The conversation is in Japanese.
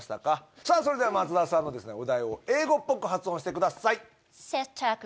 さぁそれでは松田さんのお題を英語っぽく発音してください。